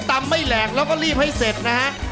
ตำไม่แหลกแล้วก็รีบให้เสร็จนะฮะ